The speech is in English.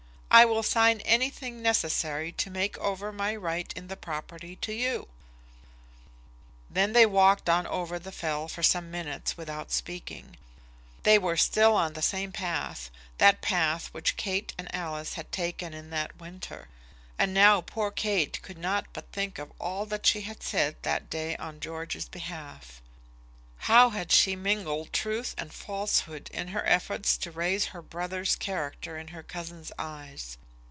I will sign anything necessary to make over my right in the property to you." Then they walked on over the Fell for some minutes without speaking. They were still on the same path, that path which Kate and Alice had taken in the winter, and now poor Kate could not but think of all that she had said that day on George's behalf; how had she mingled truth and falsehood in her efforts to raise her brother's character in her cousin's eyes!